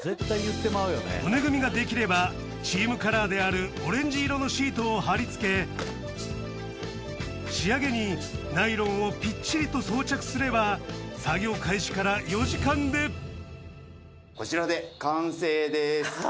骨組みができればチームカラーであるオレンジ色のシートをはり付け仕上げにナイロンをぴっちりと装着すれば作業開始から４時間でああ。